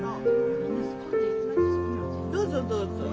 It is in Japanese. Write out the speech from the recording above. どうぞどうぞ。